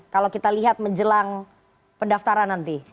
kalau kita lihat menjelang pendaftaran nanti